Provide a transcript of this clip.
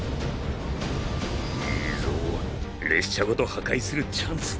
いいぞ列車ごと破壊するチャンスだ。